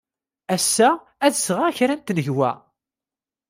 Ass-a, ad d-sɣeɣ kra n tnegwa.